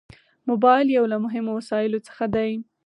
موبایل یو له مهمو وسایلو څخه دی.